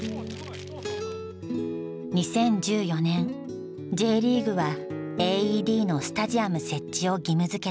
２０１４年ＪリーグはＡＥＤのスタジアム設置を義務づけた。